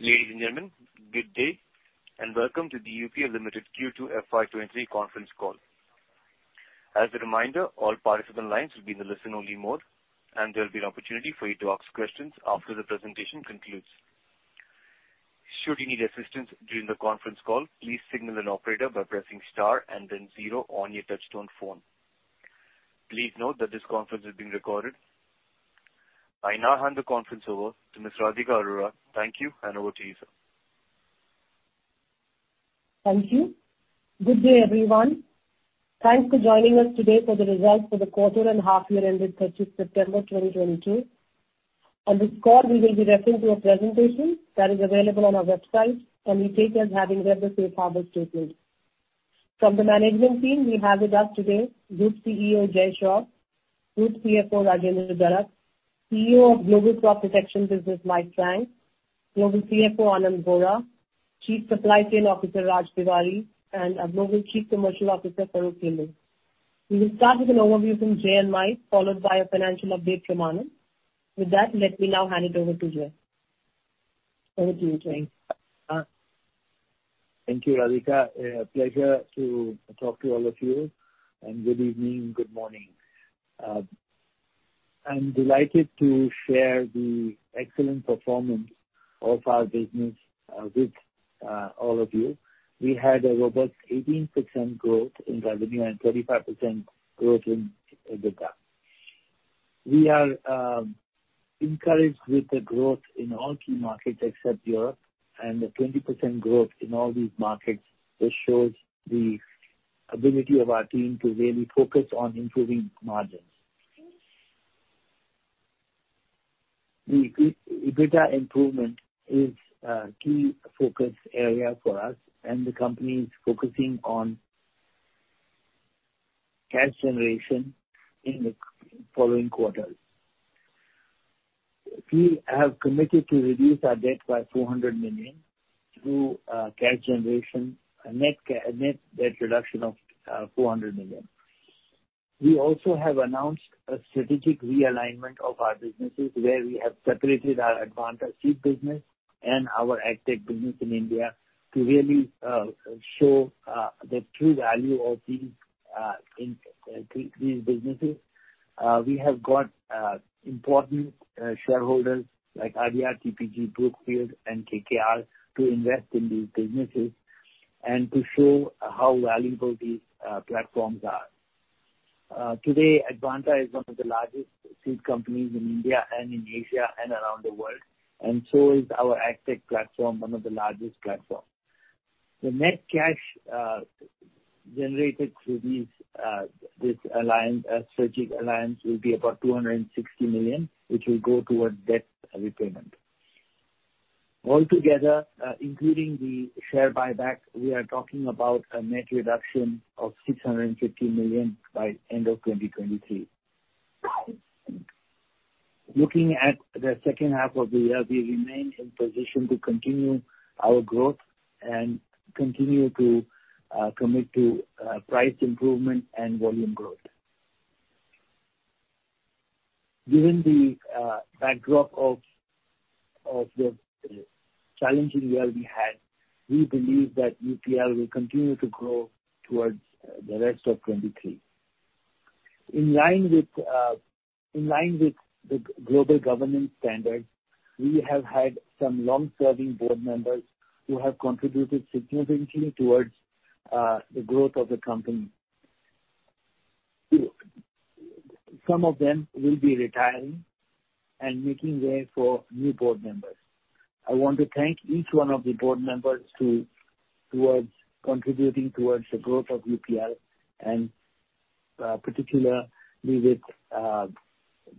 Ladies and gentlemen, good day, and welcome to the UPL Limited Q2 FY 2023 Conference Call. As a reminder, all participant lines will be in the listen-only mode, and there'll be an opportunity for you to ask questions after the presentation concludes. Should you need assistance during the conference call, please signal an operator by pressing star and then zero on your touchtone phone. Please note that this conference is being recorded. I now hand the conference over to Miss Radhika Arora. Thank you, and over to you, sir. Thank you. Good day, everyone. Thanks for joining us today for the results for the Quarter and Half Year Ended 30th September 2022. On this call, we will be referring to a presentation that is available on our website, and we take as having read the safe harbor statement. From the management team, we have with us today Group CEO Jai Shroff, Group CFO Rajendra Darak, CEO of Global Crop Protection Business Mike Frank, Global CFO Anand Vora, Chief Supply Chain Officer Raj Tiwari, and our Global Chief Commercial Officer Farokh Hilloo. We will start with an overview from Jai and Mike, followed by a financial update from Anand. With that, let me now hand it over to Jai. Over to you, Jai. Thank you, Radhika. Pleasure to talk to all of you, and good evening, good morning. I'm delighted to share the excellent performance of our business with all of you. We had a robust 18% growth in revenue and 35% growth in EBITDA. We are encouraged with the growth in all key markets except Europe, and the 20% growth in all these markets just shows the ability of our team to really focus on improving margins. The EBITDA improvement is a key focus area for us, and the company is focusing on cash generation in the following quarters. We have committed to reduce our debt by $400 million through cash generation, a net debt reduction of $400 million. We also have announced a strategic realignment of our businesses where we have separated our Advanta Seed business and our AgTech business in India to really show the true value of these in these businesses. We have got important shareholders like ADIA, TPG, Brookfield and KKR to invest in these businesses and to show how valuable these platforms are. Today, Advanta is one of the largest seed companies in India and in Asia and around the world, and so is our AgTech platform, one of the largest platforms. The net cash generated through this strategic alliance will be about $260 million, which will go toward debt repayment. Altogether, including the share buyback, we are talking about a net reduction of $650 million by end of 2023. Looking at the second half of the year, we remain in position to continue our growth and continue to commit to price improvement and volume growth. Given the backdrop of the challenging year we had, we believe that UPL will continue to grow towards the rest of 2023. In line with global governance standards, we have had some long-serving board members who have contributed significantly towards the growth of the company. Some of them will be retiring and making way for new board members. I want to thank each one of the board members towards contributing towards the growth of UPL, and particularly with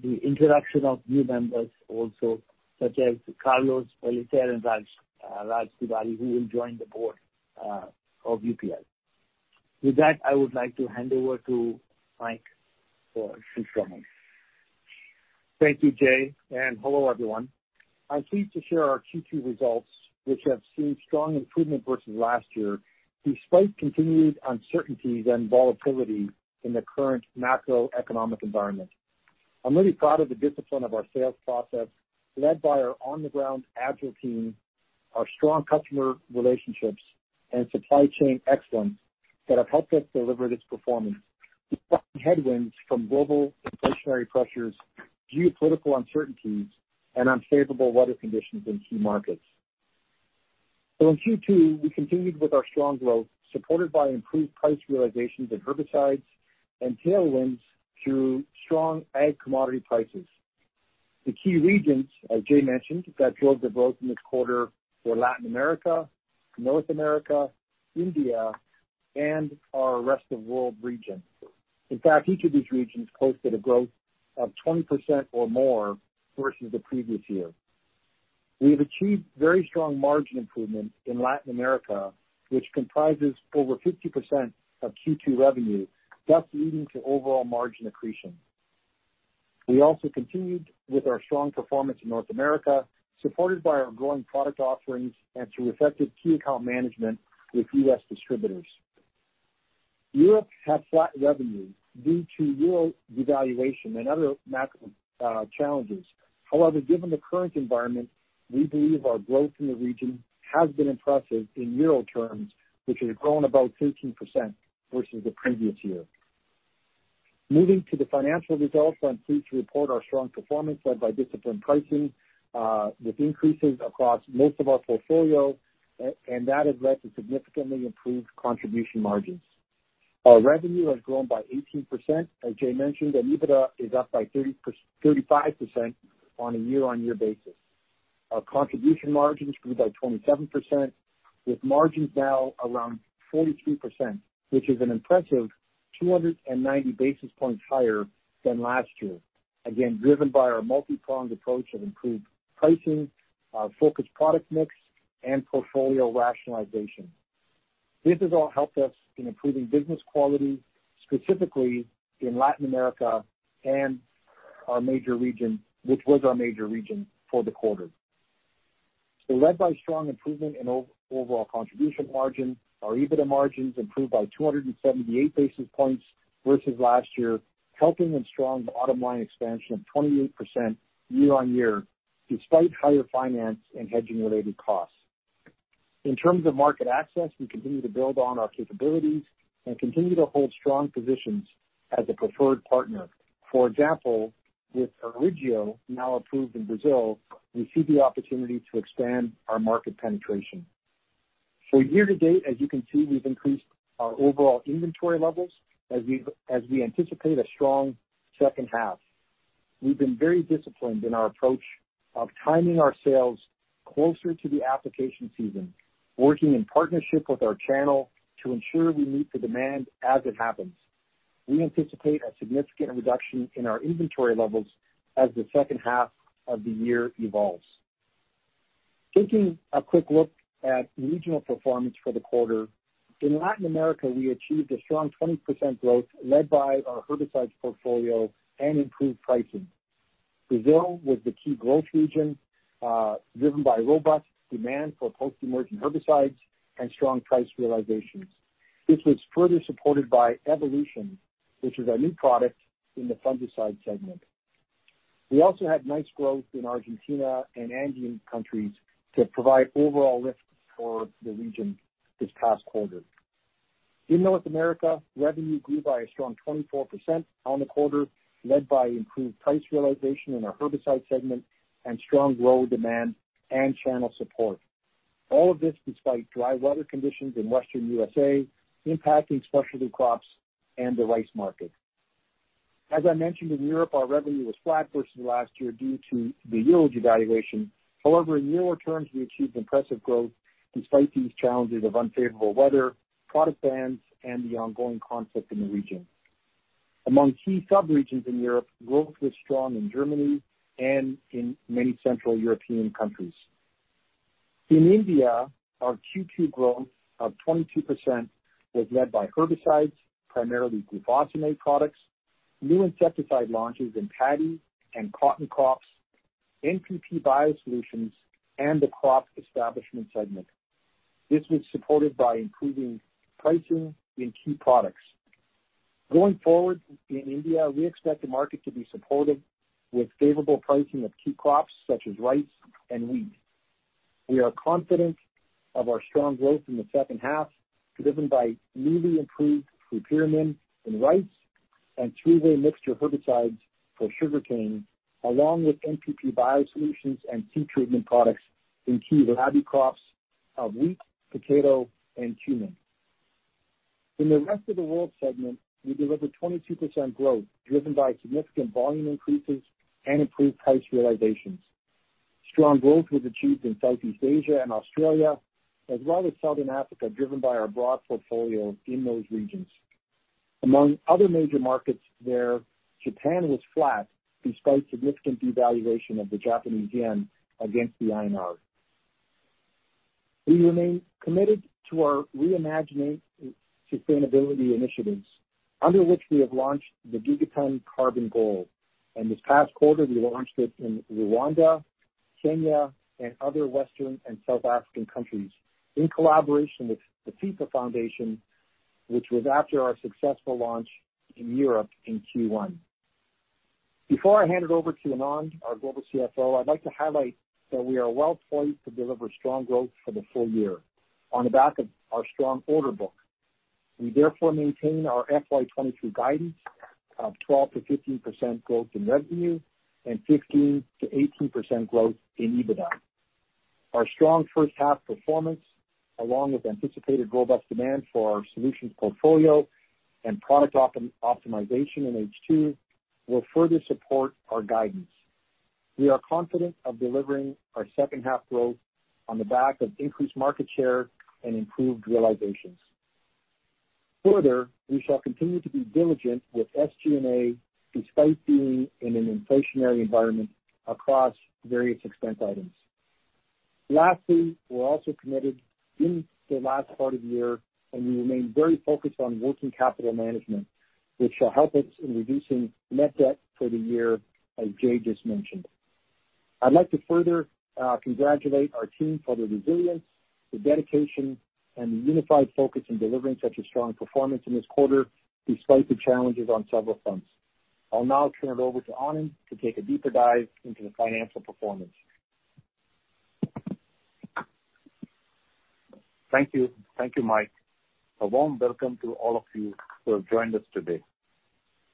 the introduction of new members also, such as Carlos Pellicer and Raj Tiwari, who will join the board of UPL. With that, I would like to hand over to Mike for his comments. Thank you, Jai, and hello, everyone. I'm pleased to share our Q2 results, which have seen strong improvement versus last year, despite continued uncertainties and volatility in the current macroeconomic environment. I'm really proud of the discipline of our sales process, led by our on-the-ground agile team, our strong customer relationships and supply chain excellence that have helped us deliver this performance, despite headwinds from global inflationary pressures, geopolitical uncertainties and unfavorable weather conditions in key markets. In Q2, we continued with our strong growth, supported by improved price realizations in herbicides and tailwinds through strong ag commodity prices. The key regions, as Jai mentioned, that drove the growth in this quarter were Latin America, North America, India and our rest of world region. In fact, each of these regions posted a growth of 20% or more versus the previous year. We have achieved very strong margin improvement in Latin America, which comprises over 50% of Q2 revenue, thus leading to overall margin accretion. We also continued with our strong performance in North America, supported by our growing product offerings and through effective key account management with U.S. distributors. Europe had flat revenue due to Euro devaluation and other macro challenges. However, given the current environment, we believe our growth in the region has been impressive in Euro terms, which has grown about 13% versus the previous year. Moving to the financial results, I'm pleased to report our strong performance led by disciplined pricing with increases across most of our portfolio, and that has led to significantly improved contribution margins. Our revenue has grown by 18%, as Jai mentioned, and EBITDA is up by 35% on a year-on-year basis. Our contribution margins grew by 27%, with margins now around 42%, which is an impressive 290 basis points higher than last year, again, driven by our multi-pronged approach of improved pricing, our focused product mix and portfolio rationalization. This has all helped us in improving business quality, specifically in Latin America and our major region for the quarter. Led by strong improvement in overall contribution margin, our EBITDA margins improved by 278 basis points versus last year, helping in strong bottom line expansion of 28% year-on-year despite higher finance and hedging-related costs. In terms of market access, we continue to build on our capabilities and continue to hold strong positions as a preferred partner. For example, with Orígeo now approved in Brazil, we see the opportunity to expand our market penetration. Year to date, as you can see, we've increased our overall inventory levels as we anticipate a strong second half. We've been very disciplined in our approach of timing our sales closer to the application season, working in partnership with our channel to ensure we meet the demand as it happens. We anticipate a significant reduction in our inventory levels as the second half of the year evolves. Taking a quick look at regional performance for the quarter. In Latin America, we achieved a strong 20% growth led by our herbicides portfolio and improved pricing. Brazil was the key growth region, driven by robust demand for post-emergent herbicides and strong price realizations. This was further supported by Evolution, which is our new product in the fungicide segment. We also had nice growth in Argentina and Andean countries to provide overall lift for the region this past quarter. In North America, revenue grew by a strong 24% on the quarter, led by improved price realization in our herbicide segment and strong row demand and channel support. All of this despite dry weather conditions in western U.S. impacting specialty crops and the rice market. As I mentioned, in Europe, our revenue was flat versus last year due to the Euro devaluation. However, in euro terms, we achieved impressive growth despite these challenges of unfavorable weather, product bans, and the ongoing conflict in the region. Among key subregions in Europe, growth was strong in Germany and in many central European countries. In India, our Q2 growth of 22% was led by herbicides, primarily glufosinate products, new insecticide launches in paddy and cotton crops, NPP biosolutions, and the crop establishment segment. This was supported by improving pricing in key products. Going forward in India, we expect the market to be supportive with favorable pricing of key crops such as rice and wheat. We are confident of our strong growth in the second half, driven by newly improved pyrimisulfan in rice and three-way mixture herbicides for sugarcane, along with NPP biosolutions and seed treatment products in key rabi crops of wheat, potato, and cumin. In the rest of the world segment, we delivered 22% growth, driven by significant volume increases and improved price realizations. Strong growth was achieved in Southeast Asia and Australia, as well as Southern Africa, driven by our broad portfolio in those regions. Among other major markets there, Japan was flat despite significant devaluation of the Japanese yen against the INR. We remain committed to our reimagining sustainability initiatives, under which we have launched the Gigaton Carbon Goal. This past quarter, we launched it in Rwanda, Kenya, and other Western and South African countries in collaboration with the FIFA Foundation, which was after our successful launch in Europe in Q1. Before I hand it over to Anand, our Global CFO, I'd like to highlight that we are well poised to deliver strong growth for the full year on the back of our strong order book. We therefore maintain our FY 2023 guidance of 12%-15% growth in revenue and 15%-18% growth in EBITDA. Our strong first half performance, along with anticipated robust demand for our solutions portfolio and product optimization in H2, will further support our guidance. We are confident of delivering our second half growth on the back of increased market share and improved realizations. Further, we shall continue to be diligent with SG&A despite being in an inflationary environment across various expense items. Lastly, we're also committed in the last part of the year, and we remain very focused on working capital management, which will help us in reducing net debt for the year, as Jai just mentioned. I'd like to further congratulate our team for their resilience, their dedication, and the unified focus in delivering such a strong performance in this quarter despite the challenges on several fronts. I'll now turn it over to Anand to take a deeper dive into the financial performance. Thank you. Thank you, Mike. A warm welcome to all of you who have joined us today.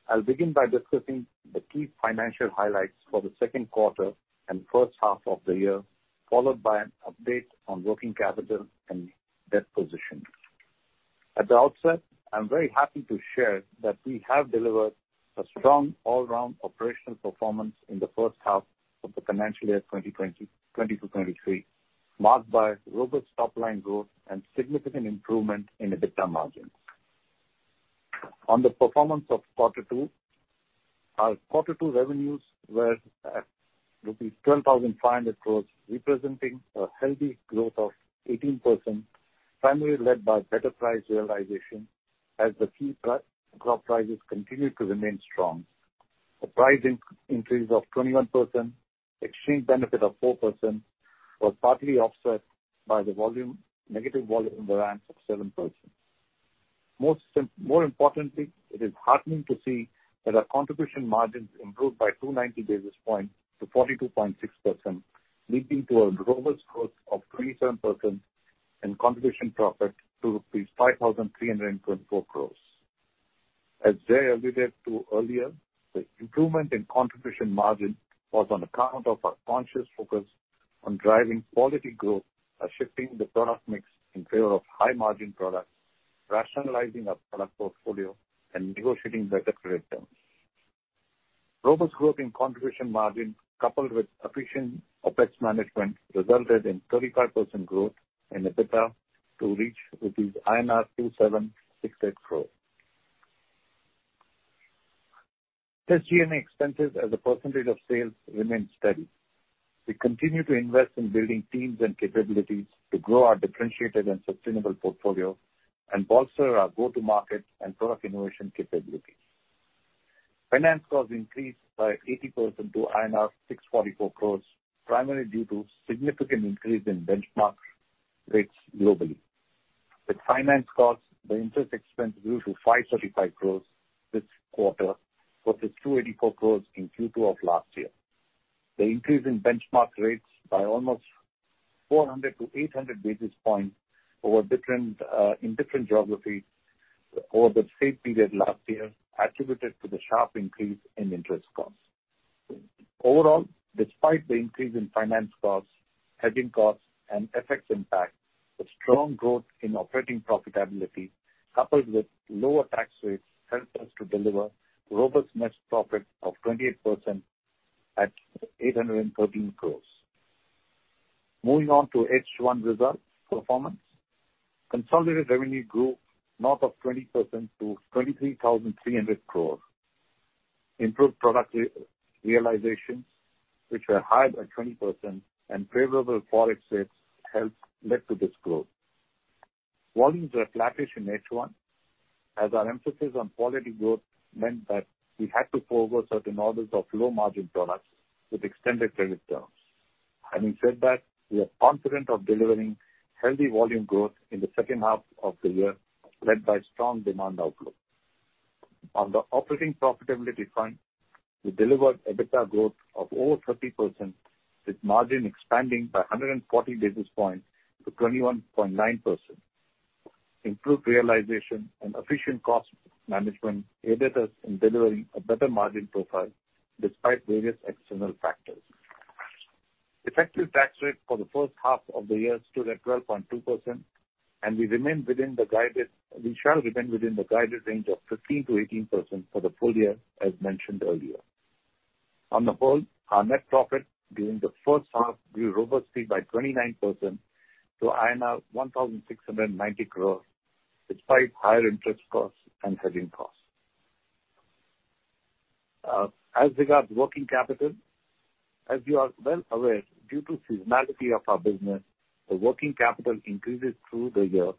I'll begin by discussing the key financial highlights for the second quarter and first half of the year, followed by an update on working capital and debt position. At the outset, I'm very happy to share that we have delivered a strong all-round operational performance in the first half of the financial year 2022-2023, marked by robust top-line growth and significant improvement in EBITDA margins. On the performance of quarter two, our quarter two revenues were at rupees 12,500 crores, representing a healthy growth of 18%, primarily led by better price realization as the key crop prices continued to remain strong. A price increase of 21%, exchange benefit of 4% was partly offset by the negative volume variance of 7%. More importantly, it is heartening to see that our contribution margins improved by 290 basis points to 42.6%, leading to a robust growth of 27% in contribution profit to rupees 5,324 crores. As Jai alluded to earlier, the improvement in contribution margin was on account of our conscious focus on driving quality growth by shifting the product mix in favor of high-margin products, rationalizing our product portfolio, and negotiating better credit terms. Robust growth in contribution margin coupled with efficient OpEx management resulted in 35% growth in EBITDA to reach INR 2,768 crore. The G&A expenses as a percentage of sales remained steady. We continue to invest in building teams and capabilities to grow our differentiated and sustainable portfolio and bolster our go-to-market and product innovation capabilities. Finance costs increased by 80% to INR 644 crores, primarily due to significant increase in benchmark rates globally. With finance costs, the interest expense grew to 535 crores this quarter versus 284 crores in Q2 of last year. The increase in benchmark rates by almost 400-800 basis points over different, in different geographies over the same period last year attributed to the sharp increase in interest costs. Overall, despite the increase in finance costs, hedging costs, and FX impact, the strong growth in operating profitability coupled with lower tax rates helped us to deliver robust net profit of 28% at 813 crores. Moving on to H1 results performance. Consolidated revenue grew north of 20% to 23,300 crore. Improved product realization, which were higher by 20% and favorable forex rates helped lead to this growth. Volumes were flattish in H1 as our emphasis on quality growth meant that we had to forego certain orders of low-margin products with extended credit terms. Having said that, we are confident of delivering healthy volume growth in the second half of the year, led by strong demand outlook. On the operating profitability front, we delivered EBITDA growth of over 30%, with margin expanding by 140 basis points to 21.9%. Improved realization and efficient cost management aided us in delivering a better margin profile despite various external factors. Effective tax rate for the first half of the year stood at 12.2%, and we shall remain within the guided range of 15%-18% for the full year, as mentioned earlier. On the whole, our net profit during the first half grew robustly by 29% to INR 1,690 crore, despite higher interest costs and hedging costs. As regards working capital, as you are well aware, due to seasonality of our business, the working capital increases through the year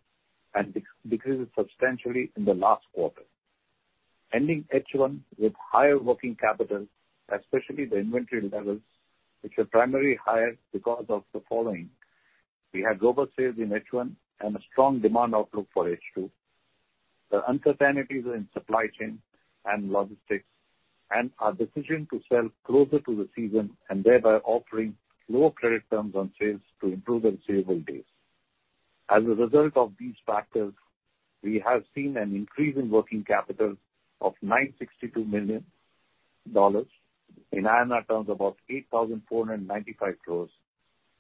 and decreases substantially in the last quarter. Ending H1 with higher working capital, especially the inventory levels, which are primarily higher because of the following. We had global sales in H1 and a strong demand outlook for H2. The uncertainties in supply chain and logistics and our decision to sell closer to the season and thereby offering lower credit terms on sales to improve the receivable days. As a result of these factors, we have seen an increase in working capital of $962 million, in INR terms, about 8,495 crores,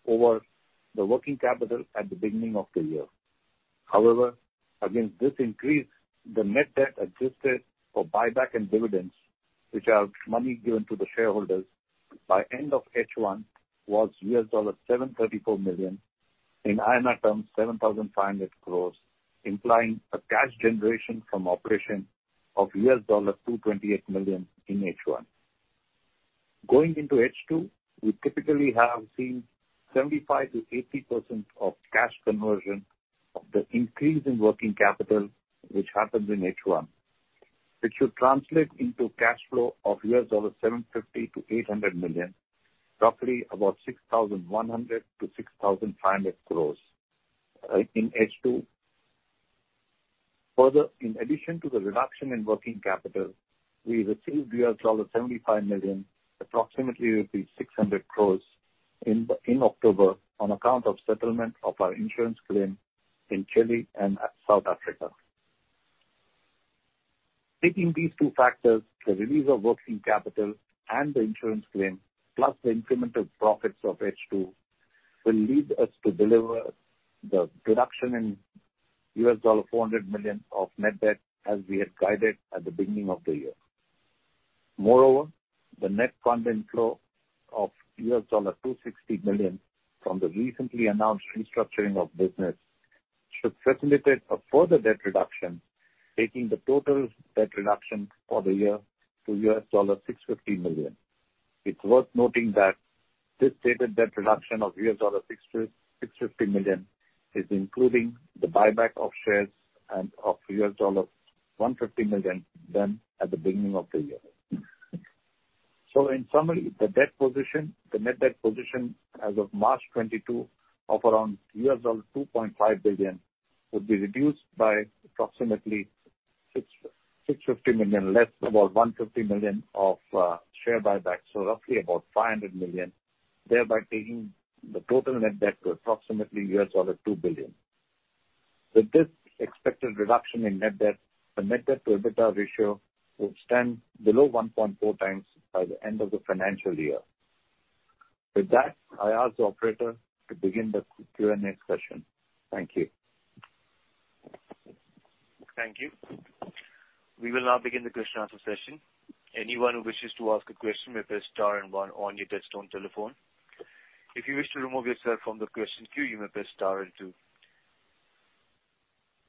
over the working capital at the beginning of the year. However, against this increase, the net debt adjusted for buyback and dividends, which are money given to the shareholders, by end of H1 was $734 million, in INR terms, 7,500 crores, implying a cash generation from operations of $228 million in H1. Going into H2, we typically have seen 75%-80% of cash conversion of the increase in working capital which happens in H1. It should translate into cash flow of $750-$800 million, roughly about 6,100-6,500 crores in H2. Further, in addition to the reduction in working capital, we received $75 million, approximately 6,600 crores in October on account of settlement of our insurance claim in Chile and South Africa. Taking these two factors, the release of working capital and the insurance claim, plus the incremental profits of H2, will lead us to deliver the reduction in $400 million of net debt as we had guided at the beginning of the year. Moreover, the net fund inflow of $260 million from the recently announced restructuring of business should facilitate a further debt reduction, taking the total debt reduction for the year to $650 million. It's worth noting that this stated debt reduction of $650 million is including the buyback of shares and of $150 million done at the beginning of the year. In summary, the debt position, the net debt position as of March 2022 of around $2.5 billion will be reduced by approximately $650 million, less about $150 million of share buyback, so roughly about $500 million, thereby taking the total net debt to approximately $2 billion. With this expected reduction in net debt, the net debt to EBITDA ratio will stand below 1.4x by the end of the financial year. With that, I ask the operator to begin the Q&A session. Thank you. Thank you. We will now begin the question answer session. Anyone who wishes to ask a question may press star and one on your desktop telephone. If you wish to remove yourself from the question queue, you may press star and two.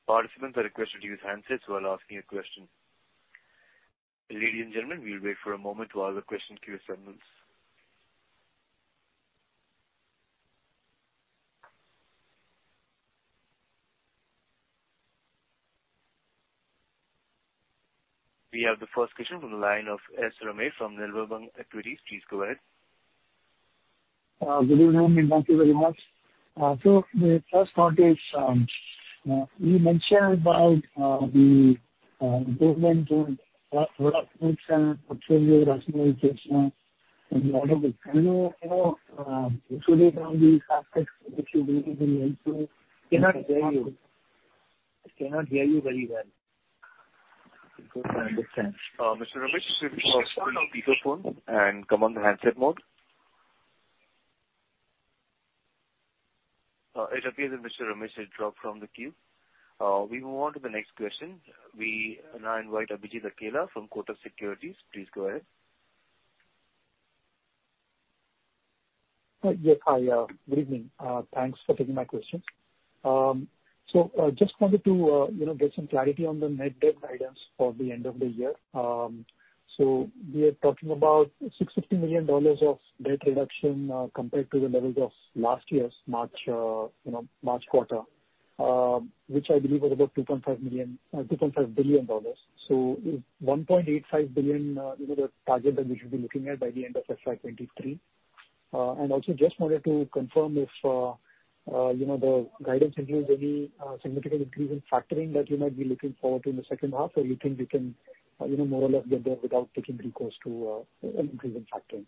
Participants are requested to use handsets while asking a question. Ladies and gentlemen, we'll wait for a moment while the question queue assembles. We have the first question from the line of S. Ramesh from Nirmal Bang Equities. Please go ahead. Good evening, and thank you very much. The first point is, you mentioned about the improvement in product mix and portfolio rationalization and lot of it. You know, usually from the Cannot hear you. Cannot hear you very well. Mr. S. Ramesh, please switch to speaker phone and come on the handset mode. It appears that Mr. S. Ramesh has dropped from the queue. We move on to the next question. We now invite Abhijit Akella from Kotak Securities. Please go ahead. Yes. Hi. Good evening. Thanks for taking my questions. Just wanted to, you know, get some clarity on the net debt guidance for the end of the year. We are talking about $650 million of debt reduction, compared to the levels of last year's March, you know, March quarter, which I believe was about $2.5 million, $2.5 billion. $1.85 billion, you know, the target that we should be looking at by the end of FY 2023. Just wanted to confirm if, you know, the guidance includes any significant increase in factoring that you might be looking forward to in the second half, or you think you can, you know, more or less get there without taking recourse to an increase in factoring.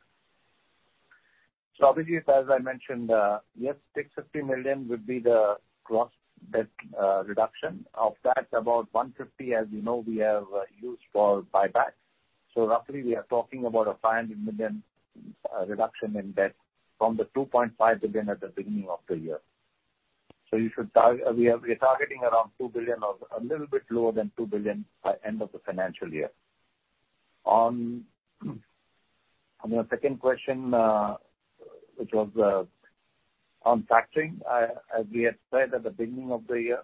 Abhijit, as I mentioned, yes, $650 million would be the gross debt reduction. Of that, about $150 million, as you know, we have used for buyback. Roughly we are talking about a $500 million reduction in debt from the $2.5 billion at the beginning of the year. We are targeting around $2 billion or a little bit lower than $2 billion by end of the financial year. On your second question, which was on factoring. As we had said at the beginning of the year,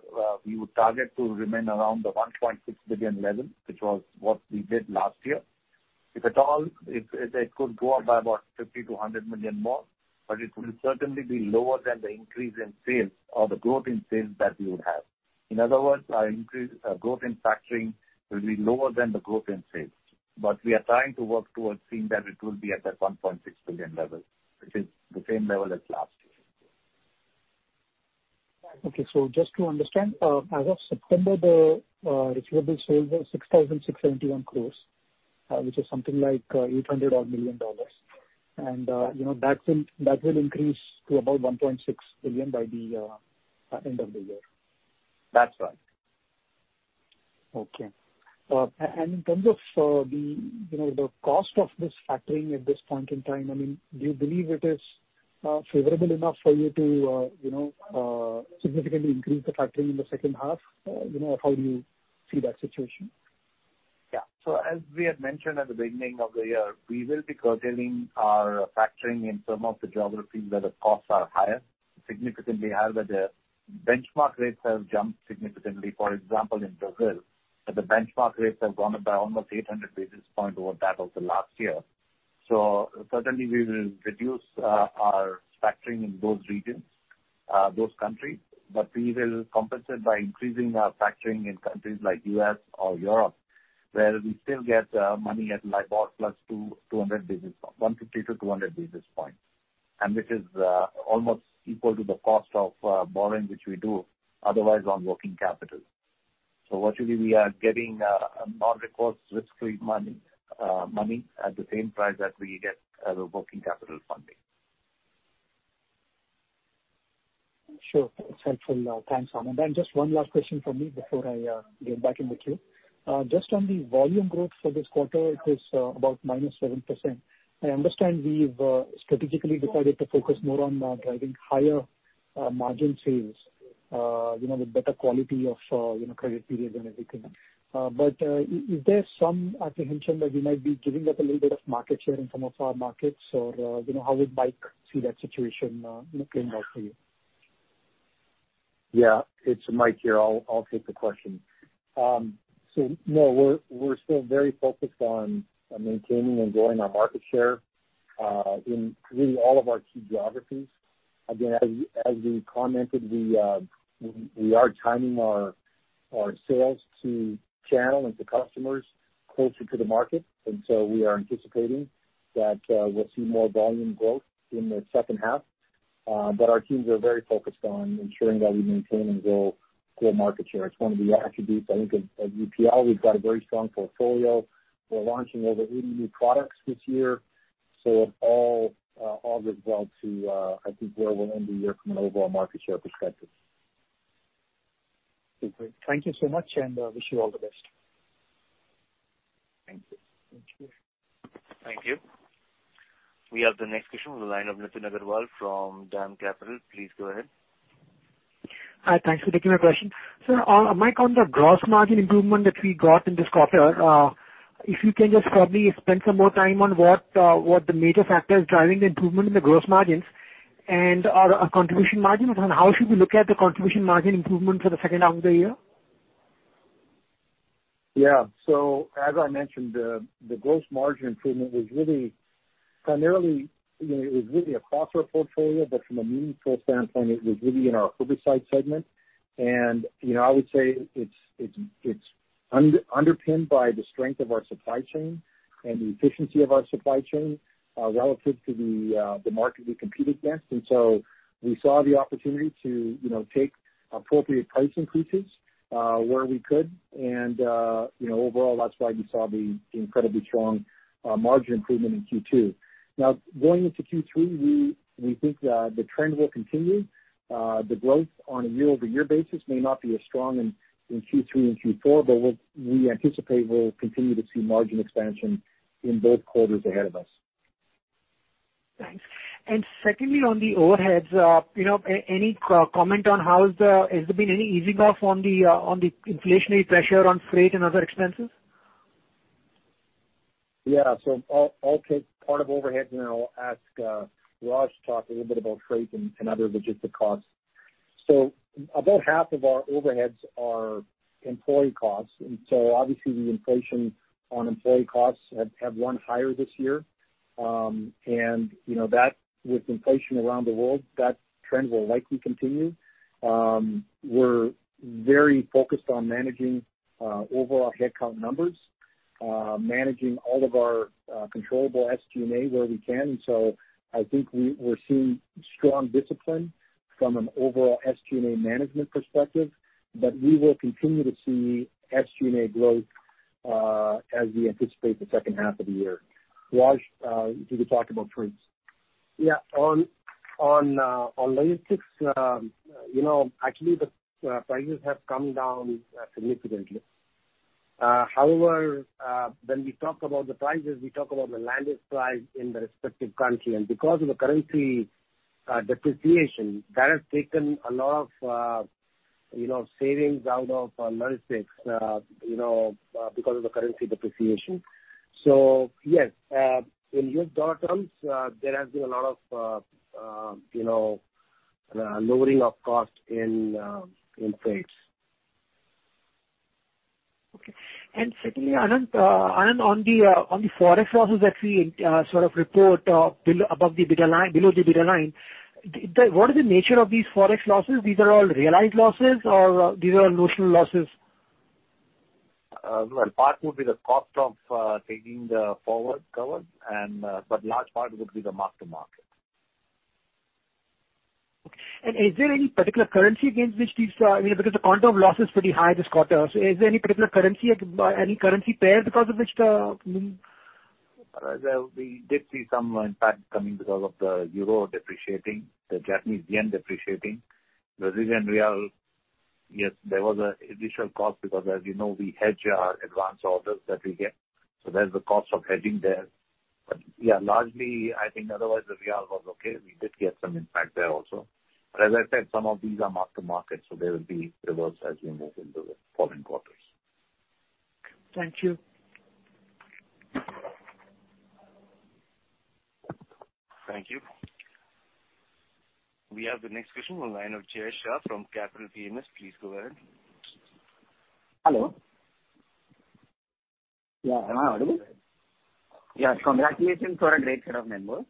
we would target to remain around the $1.6 billion level, which was what we did last year. If at all, it could go up by about $50 million-$100 million more, but it will certainly be lower than the increase in sales or the growth in sales that we would have. In other words, our increase, growth in factoring will be lower than the growth in sales. We are trying to work towards seeing that it will be at that $1.6 billion level, which is the same level as last year. Just to understand, as of September, the receivable sales were 6,671 crores, which is something like $800 odd million. You know, that will increase to about $1.6 billion by the end of the year. That's right. Okay. In terms of the you know, the cost of this factoring at this point in time, I mean, do you believe it is favorable enough for you to you know, significantly increase the factoring in the second half? You know, how do you see that situation? As we had mentioned at the beginning of the year, we will be curtailing our factoring in some of the geographies where the costs are higher, significantly higher, where the benchmark rates have jumped significantly. For example, in Brazil, the benchmark rates have gone up by almost 800 basis point over that of the last year. Certainly we will reduce our factoring in those regions, those countries, but we will compensate by increasing our factoring in countries like U.S. or Europe, where we still get money at LIBOR plus 150 basis points to 200 basis points. This is almost equal to the cost of borrowing, which we do otherwise on working capital. Virtually we are getting non-recourse risk-free money at the same price that we get as a working capital funding. Sure. It's helpful. Thanks, Anand. Just one last question from me before I get back in the queue. Just on the volume growth for this quarter, it was about -7%. I understand we've strategically decided to focus more on driving higher margin sales, you know, with better quality of, you know, credit period and everything. But is there some apprehension that we might be giving up a little bit of market share in some of our markets? Or, you know, how does VK see that situation looking like for you? Yeah. It's Mike here. I'll take the question. No, we're still very focused on maintaining and growing our market share in really all of our key geographies. Again, as we commented, we are timing our sales to channel and to customers closer to the market, and so we are anticipating that we'll see more volume growth in the second half. But our teams are very focused on ensuring that we maintain and grow market share. It's one of the attributes I think of UPL. We've got a very strong portfolio. We're launching over 80 new products this year. It all bodes well to, I think, where we'll end the year from an overall market share perspective. Okay. Thank you so much, and wish you all the best. Thank you. Thank you. Thank you. We have the next question on the line of Nitin Agarwal from DAM Capital. Please go ahead. Hi, thanks for taking my question. On Mike, on the gross margin improvement that we got in this quarter, if you can just probably spend some more time on what the major factor is driving the improvement in the gross margins and our contribution margin, and how should we look at the contribution margin improvement for the second half of the year? Yeah. As I mentioned, the gross margin improvement was really primarily, you know, it was really across our portfolio, but from a meaningful standpoint, it was really in our herbicide segment. I would say it's underpinned by the strength of our supply chain and the efficiency of our supply chain, relative to the market we competed against. We saw the opportunity to, you know, take appropriate price increases, where we could and, overall, that's why you saw the incredibly strong margin improvement in Q2. Now, going into Q3, we think the trend will continue. The growth on a year-over-year basis may not be as strong in Q3 and Q4, but we anticipate we'll continue to see margin expansion in both quarters ahead of us. Thanks. Secondly, on the overheads, you know, has there been any easing off on the, on the inflationary pressure on freight and other expenses? Yeah. I'll take part of overheads, and then I'll ask Raj to talk a little bit about freight and other logistics costs. About half of our overheads are employee costs, and obviously the inflation on employee costs have run higher this year. You know that with inflation around the world, that trend will likely continue. We're very focused on managing overall headcount numbers, managing all of our controllable SG&A where we can. I think we're seeing strong discipline from an overall SG&A management perspective. We will continue to see SG&A growth, as we anticipate the second half of the year. Raj, could you talk about freight? On logistics, you know, actually the prices have come down significantly. However, when we talk about the prices, we talk about the landed price in the respective country. Because of the currency depreciation, that has taken a lot of, you know, savings out of logistics, you know, because of the currency depreciation. Yes, in U.S. dollar terms, there has been a lot of, you know, lowering of cost in freights. Okay. Secondly, Anand, on the Forex losses that we sort of report below the bottom line. What is the nature of these Forex losses? These are all realized losses or these are notional losses? Well, part would be the cost of taking the forward cover, but large part would be the mark-to-market. Okay. Is there any particular currency against which these, you know, because the quantum of loss is pretty high this quarter. Is there any particular currency, any currency pair because of which the- There we did see some impact coming because of the euro depreciating, the Japanese yen depreciating. Brazilian real, yes, there was an additional cost because as you know, we hedge our advanced orders that we get. There's the cost of hedging there. Yeah, largely, I think otherwise the real was okay. We did get some impact there also. As I said, some of these are mark-to-market, so there will be reversal as we move into the following quarters. Thank you. Thank you. We have the next question on the line of Jay Shah from Capital PMS. Please go ahead. Hello? Yeah. Am I audible? Yeah. Congratulations on a great set of numbers.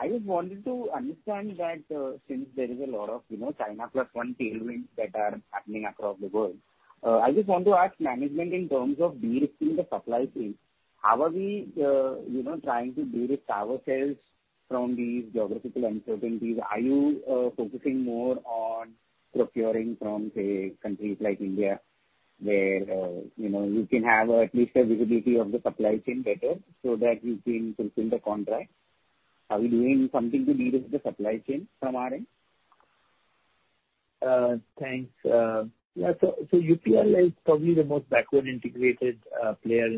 I just wanted to understand that, since there is a lot of, you know, China plus one tailwinds that are happening across the world, I just want to ask management in terms of de-risking the supply chain, how are we, you know, trying to de-risk ourselves from these geographical uncertainties? Are you focusing more on procuring from, say, countries like India, where, you know, you can have at least a visibility of the supply chain better so that you can fulfill the contract? Are we doing something to de-risk the supply chain from our end? Thanks. Yeah, so UPL is probably the most backward integrated player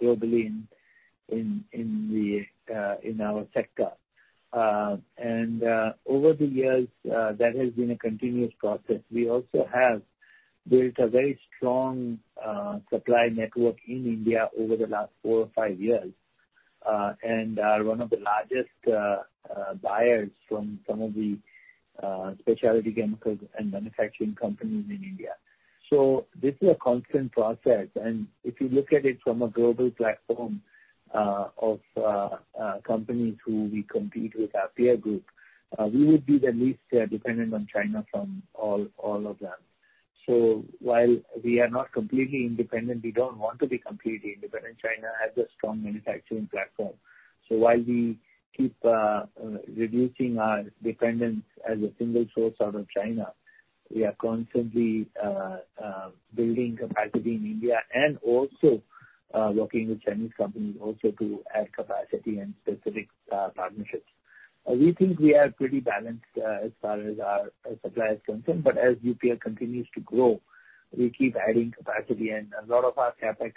globally in our sector. Over the years, that has been a continuous process. We also have built a very strong supply network in India over the last four or five years, and are one of the largest buyers from some of the specialty chemicals and manufacturing companies in India. This is a constant process, and if you look at it from a global platform of companies who we compete with, our peer group, we would be the least dependent on China from all of them. While we are not completely independent, we don't want to be completely independent. China has a strong manufacturing platform. While we keep reducing our dependence as a single source out of China, we are constantly building capacity in India and also working with Chinese companies also to add capacity and specific partnerships. We think we are pretty balanced as far as our supply is concerned. As UPL continues to grow, we keep adding capacity, and a lot of our CapEx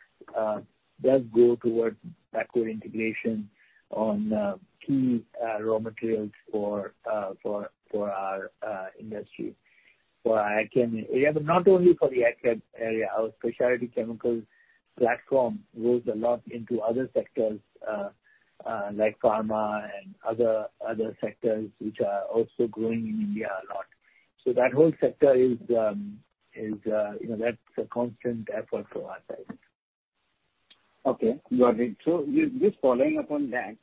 does go towards backward integration on key raw materials for our industry. For AgChem area, but not only for the AgChem area, our specialty chemicals platform goes a lot into other sectors like pharma and other sectors which are also growing in India a lot. That whole sector is. You know, that's a constant effort from our side. Okay. Got it. Just following up on that,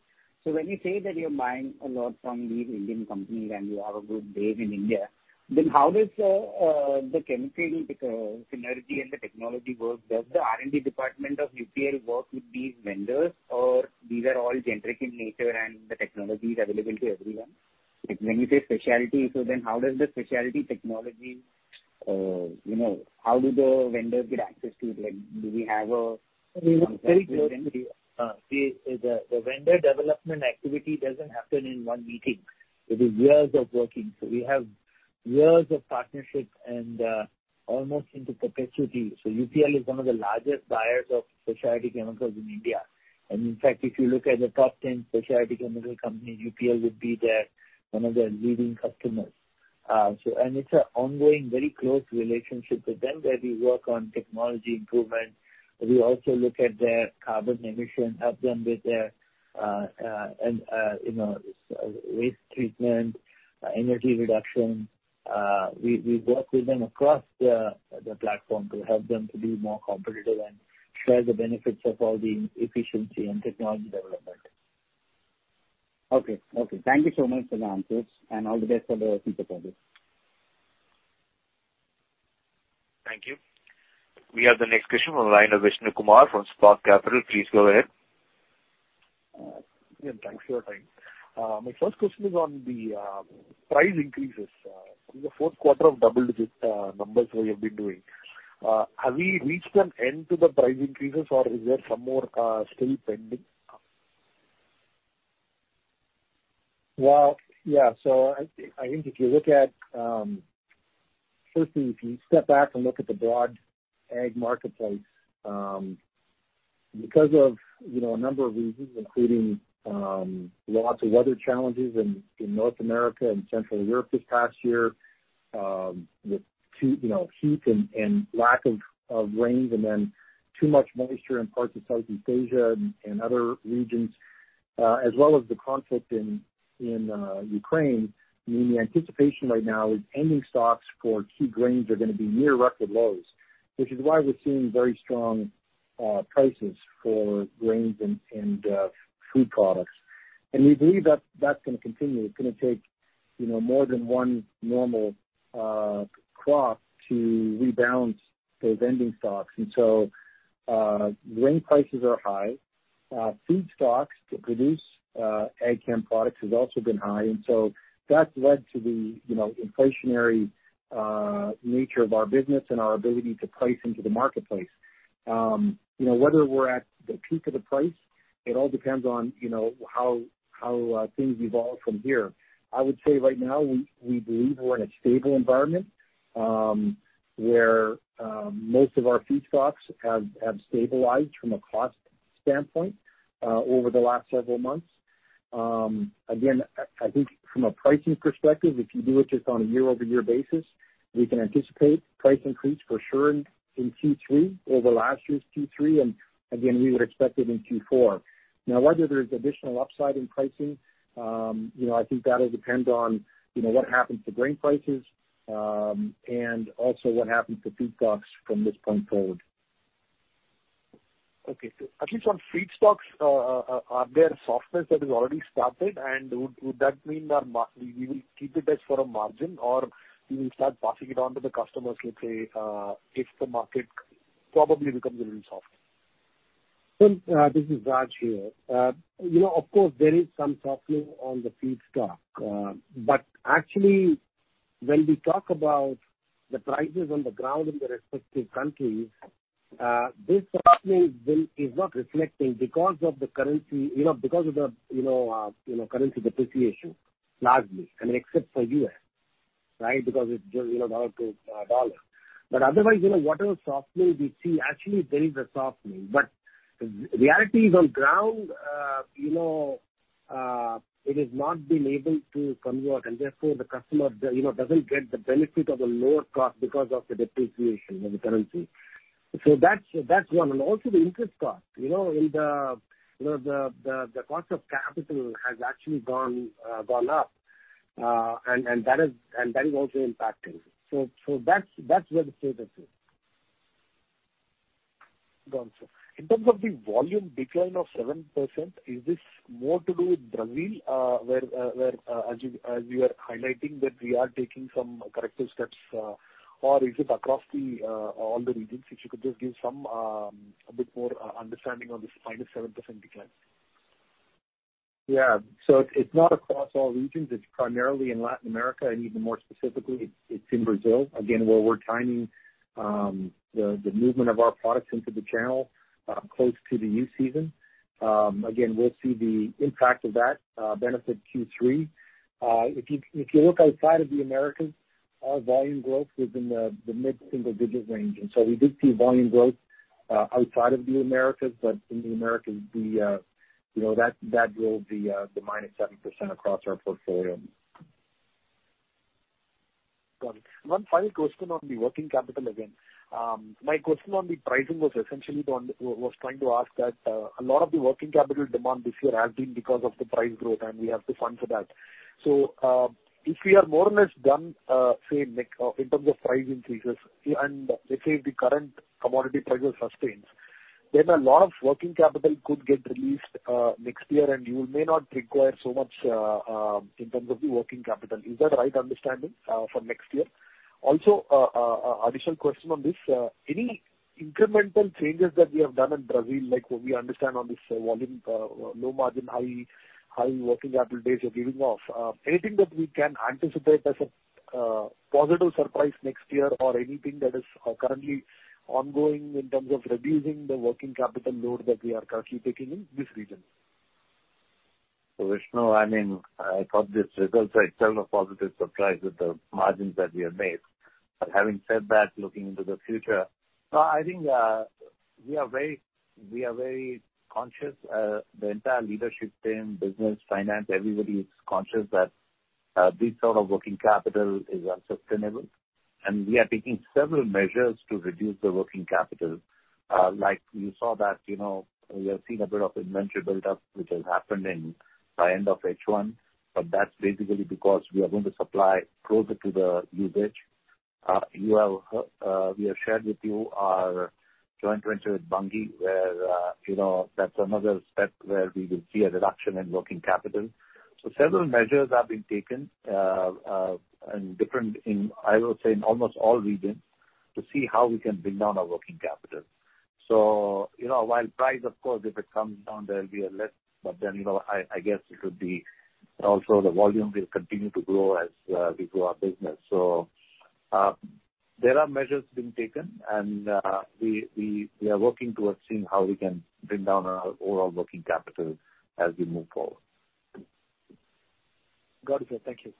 when you say that you're buying a lot from these Indian companies and you have a good base in India, then how does the chemical synergy and the technology work? Does the R&D department of UPL work with these vendors, or these are all generic in nature and the technology is available to everyone? Like when you say specialty, then how does the specialty technology, you know, how do the vendors get access to it? Like, do we have a Very closely. The vendor development activity doesn't happen in one meeting. It is years of working. We have years of partnerships and almost into perpetuity. UPL is one of the largest buyers of specialty chemicals in India. In fact, if you look at the top ten specialty chemical companies, UPL would be their, one of their leading customers. It's an ongoing, very close relationship with them where we work on technology improvements. We also look at their carbon emissions, help them with their, you know, waste treatment, energy reduction. We work with them across the platform to help them to be more competitive and share the benefits of all the efficiency and technology development. Okay. Thank you so much for the answers and all the best for the future. Thank you. We have the next question from the line of Vishnu Kumar from Spark Capital. Please go ahead. Yeah. Thanks for your time. My first question is on the price increases. In the fourth quarter of double digit numbers that you've been doing, have we reached an end to the price increases or is there some more still pending? Well, yeah. I think if you look at. Firstly, if you step back and look at the broad ag marketplace, because of, you know, a number of reasons, including lots of weather challenges in North America and Central Europe this past year. You know, heat and lack of rains and then too much moisture in parts of Southeast Asia and other regions, as well as the conflict in Ukraine. I mean, the anticipation right now is ending stocks for key grains are gonna be near record lows, which is why we're seeing very strong prices for grains and food products. We believe that that's gonna continue. It's gonna take, you know, more than one normal crop to rebalance those ending stocks. Grain prices are high. Feedstocks to produce AgChem products has also been high. That's led to the, you know, inflationary nature of our business and our ability to price into the marketplace. You know, whether we're at the peak of the price, it all depends on, you know, how things evolve from here. I would say right now we believe we're in a stable environment, where most of our feedstocks have stabilized from a cost standpoint over the last several months. Again, I think from a pricing perspective, if you do it just on a year-over-year basis, we can anticipate price increase for sure in Q3 over last year's Q3, and again, we would expect it in Q4. Now, whether there's additional upside in pricing, you know, I think that'll depend on, you know, what happens to grain prices, and also what happens to feedstocks from this point forward. At least on feedstocks, are there softness that has already started? Would that mean that we will keep it as for a margin or we will start passing it on to the customers, let's say, if the market probably becomes a little soft? This is Raj here. You know, of course, there is some softening on the feedstock. Actually, when we talk about the prices on the ground in the respective countries, this softening is not reflecting because of the currency, you know, because of the, you know, currency depreciation largely, I mean, except for U.S., right? Because it's just, you know, dollar to dollar. Otherwise, you know, whatever softening we see, actually there is a softening. Reality is on ground, you know, it has not been able to come out. Therefore, the customer, you know, doesn't get the benefit of a lower cost because of the depreciation in the currency. That's one. Also the interest cost. You know, in the you know, the cost of capital has actually gone up. That is also impacting. That's where the state is in. Got it. In terms of the volume decline of 7%, is this more to do with Brazil, where as you are highlighting that we are taking some corrective steps, or is it across all the regions? If you could just give some a bit more understanding on this -7% decline. Yeah. So it's not across all regions. It's primarily in Latin America, and even more specifically, it's in Brazil. Again, where we're timing the movement of our products into the channel close to the new season. Again, we'll see the impact of that benefit Q3. If you look outside of the Americas, our volume growth was in the mid-single digit range. We did see volume growth outside of the Americas, but in the Americas you know that drove the minus 7% across our portfolio. Got it. One final question on the working capital again. My question on the pricing was essentially trying to ask that a lot of the working capital demand this year has been because of the price growth, and we have to fund for that. If we are more or less done, say, like, in terms of price increases and let's say the current commodity prices sustains, then a lot of working capital could get released next year and you may not require so much in terms of the working capital. Is that the right understanding for next year? Also, additional question on this, any incremental changes that we have done in Brazil, like we understand it's high volume, low margin, high working capital days you're giving up. Anything that we can anticipate as a positive surprise next year or anything that is currently ongoing in terms of reducing the working capital load that we are currently taking in this region? Vishnu, I mean, I thought this result is itself a positive surprise with the margins that we have made. Having said that, looking into the future, I think, we are very conscious, the entire leadership team, business, finance, everybody is conscious that, this sort of working capital is unsustainable. We are taking several measures to reduce the working capital. Like you saw that, you know, we have seen a bit of inventory build up, which has happened by end of H1, but that's basically because we are going to supply closer to the usage. We have shared with you our joint venture with Bunge where, you know, that's another step where we will see a reduction in working capital. Several measures are being taken in almost all regions, I would say, to see how we can bring down our working capital. You know, while price, of course, if it comes down, there'll be less, but then, you know, I guess it would be also the volume will continue to grow as we grow our business. There are measures being taken and we are working towards seeing how we can bring down our overall working capital as we move forward. Got it, sir. Thank you.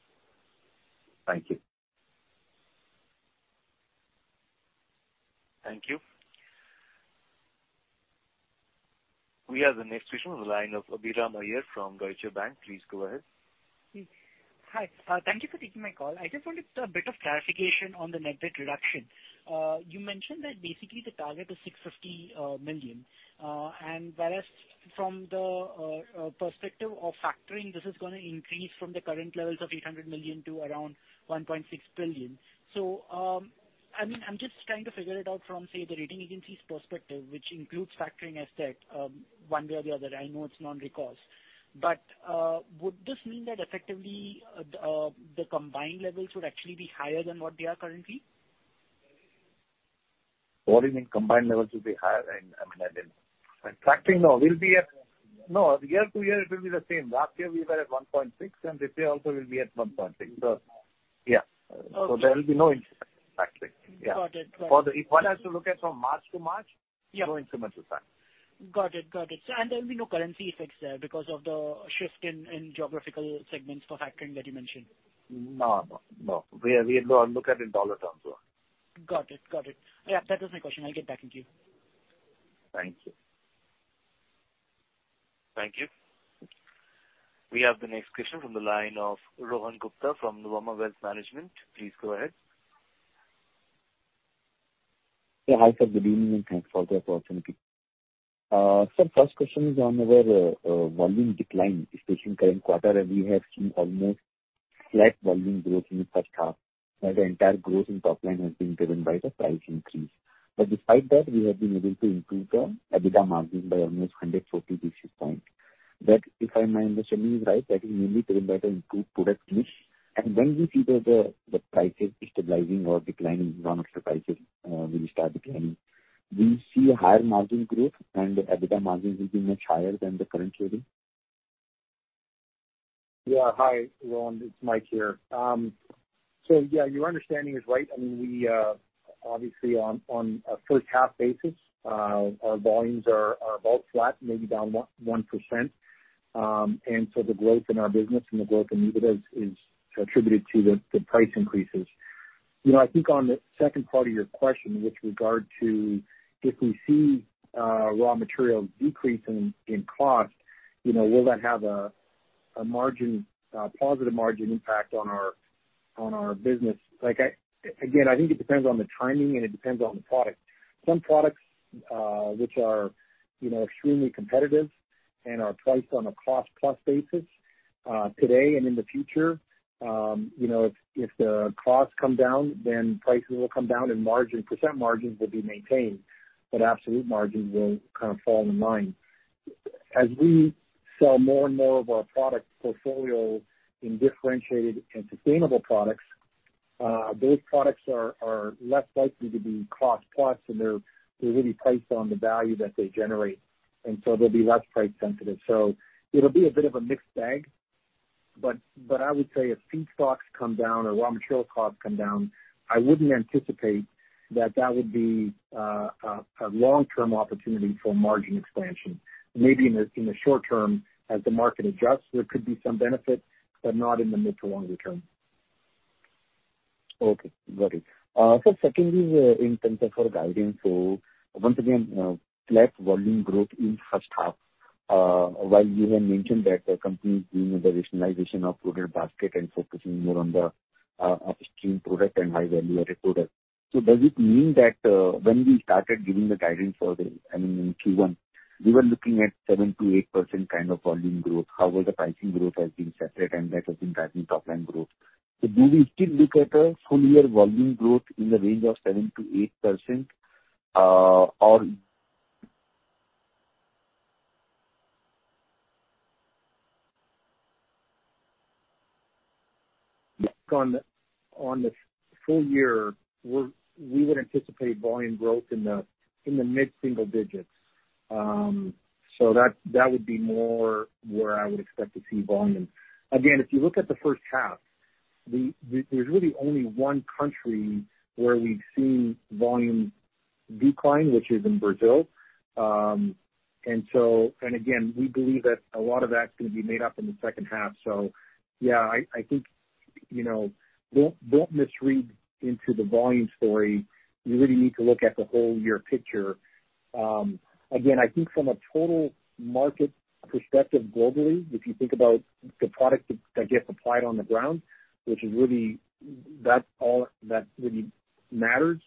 Thank you. Thank you. We have the next question on the line of Abhiram Iyer from Deutsche Bank. Please go ahead. Hi. Thank you for taking my call. I just wanted a bit of clarification on the net debt reduction. You mentioned that basically the target is $650 million, and whereas from the perspective of factoring, this is gonna increase from the current levels of $800 million to around $1.6 billion. I mean, I'm just trying to figure it out from, say, the rating agency's perspective, which includes factoring asset one way or the other. I know it's non-recourse. Would this mean that effectively the combined levels would actually be higher than what they are currently? What do you mean combined levels will be higher? I mean in factoring, no. No. Year to year it will be the same. Last year we were at $1.6 billion, and this year also we'll be at $1.6 billion. So yeah. Okay. There will be no increase in factoring. Yeah. Got it. Got it. If one has to look at from March to March. Yeah. No incremental spend. Got it. There will be no currency effects there because of the shift in geographical segments for factoring that you mentioned? No. We look at in dollar terms only. Got it. Yeah. That was my question. I'll get back to you. Thank you. Thank you. We have the next question from the line of Rohan Gupta from Nuvama Wealth Management. Please go ahead. Yeah. Hi, sir. Good evening, and thanks for the opportunity. Sir, first question is on our volume decline, especially in current quarter, where we have seen almost. Slight volume growth in the first half, while the entire growth in top line has been driven by the price increase. Despite that, we have been able to improve the EBITDA margin by almost 140 basis points. That, if my understanding is right, is mainly driven by the improved product mix. When we see the prices stabilizing or declining, raw material prices really start declining, do you see higher margin growth and EBITDA margins will be much higher than the current trading? Yeah. Hi, Rohan. It's Mike here. So yeah, your understanding is right. I mean, we obviously on a first half basis, our volumes are about flat, maybe down 1%. The growth in our business and the growth in EBITDA is attributed to the price increases. You know, I think on the second part of your question with regard to if we see raw materials decrease in cost, you know, will that have a margin positive margin impact on our business? Like, again, I think it depends on the timing, and it depends on the product. Some products, which are, you know, extremely competitive and are priced on a cost plus basis, today and in the future, you know, if the costs come down, then prices will come down and margin percent margins will be maintained, but absolute margins will kind of fall in line. As we sell more and more of our product portfolio in differentiated and sustainable products, those products are less likely to be cost plus, and they're really priced on the value that they generate, and so they'll be less price sensitive. It'll be a bit of a mixed bag. I would say if feedstocks come down or raw material costs come down, I wouldn't anticipate that that would be a long-term opportunity for margin expansion. Maybe in the short term as the market adjusts, there could be some benefit, but not in the mid to longer term. Okay. Got it. Sir, secondly, in terms of our guidance, once again, flat volume growth in first half, while you have mentioned that the company is doing the rationalization of product basket and focusing more on the upstream product and high value added product. Does it mean that when we started giving the guidance, I mean, in Q1, we were looking at 7%-8% kind of volume growth. However, the pricing growth has been separate and that has been driving top line growth. Do we still look at a full year volume growth in the range of 7%-8%, or- Yes. On the full year, we would anticipate volume growth in the mid-single digits. That would be more where I would expect to see volume. Again, if you look at the first half, there's really only one country where we've seen volume decline, which is in Brazil. Again, we believe that a lot of that's gonna be made up in the second half. Yeah, I think, you know, don't misread into the volume story. You really need to look at the whole year picture. Again, I think from a total market perspective globally, if you think about the product that gets applied on the ground, which is really. That's all that really matters.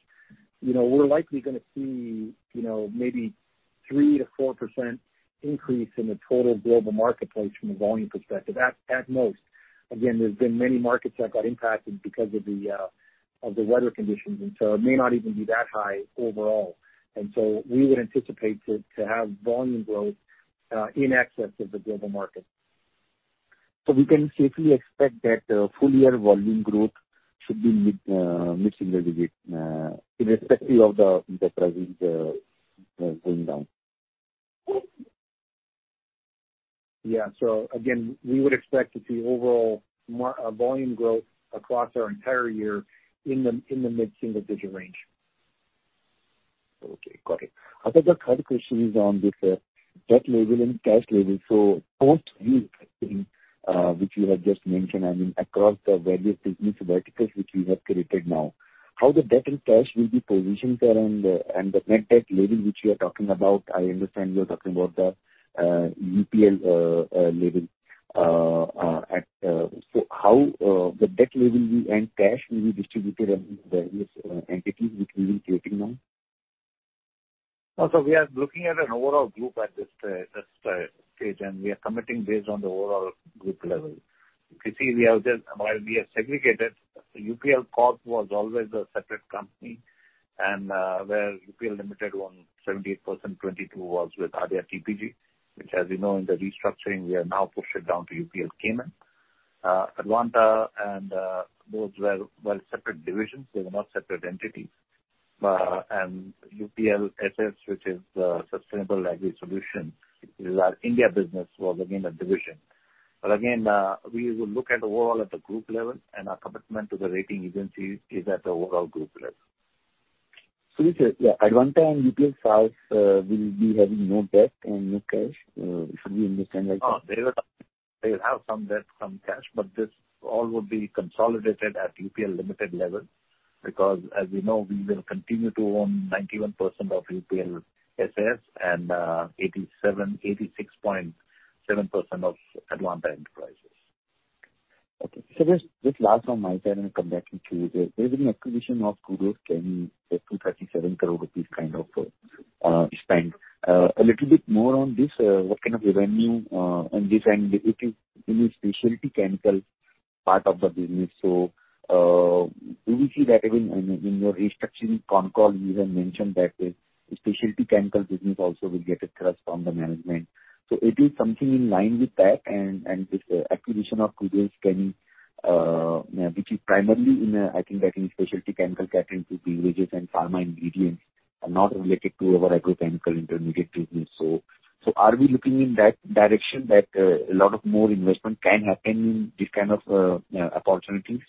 You know, we're likely gonna see, you know, maybe 3%-4% increase in the total global marketplace from a volume perspective at most. Again, there's been many markets that got impacted because of the weather conditions, and so it may not even be that high overall. We would anticipate to have volume growth in excess of the global market. We can safely expect that full year volume growth should be mid-single digits, irrespective of the prices going down. Yeah, we would expect to see overall volume growth across our entire year in the mid-single-digit% range. Okay. Got it. Our third question is on this debt level and cash level. Both these, which you have just mentioned, I mean across the various business verticals which we have created now, how the debt and cash will be positioned around, and the net debt level which you are talking about. I understand you are talking about the UPL level. So how the debt and cash will be distributed among various entities which we are creating now? No. We are looking at an overall group at this stage, and we are committing based on the overall group level. If you see, we have just. While we have segregated, UPL Corp was always a separate company and, where UPL Limited owned 78%, 22 was with Aditya Birla & TPG, which as you know, in the restructuring we have now pushed it down to UPL Cayman. Advanta and those were separate divisions. They were not separate entities. And UPL SAS, which is Sustainable Agri Solutions, is our India business, was again a division. But again, we will look at the overall at the group level, and our commitment to the rating agencies is at the overall group level. This is, Advanta and UPL SAS will be having no debt and no cash. Should we understand? No. They will have some debt, some cash, but this all would be consolidated at UPL Limited level because as we know, we will continue to own 91% of UPL SAS and 86.7% of Advanta Enterprises. Okay. Just last one my side and I'll come back to you. There's been acquisition of Kudos Chemie, say, 237 crore rupees kind of spent. A little bit more on this, what kind of revenue, and this and it is in a specialty chemical part of the business. We see that again in your restructuring comments, you have mentioned that the specialty chemical business also will get a thrust from the management. It is something in line with that and this acquisition of Kudos Chemie, which is primarily in a, I think, specialty chemical catering to beverages and pharma ingredients are not related to our agricultural chemical intermediate business. Are we looking in that direction that a lot of more investment can happen in these kind of opportunities?